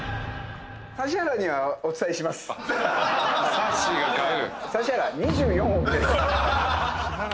さっしーが買う。